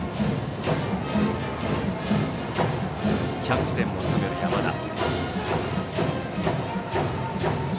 キャプテンも務める山田。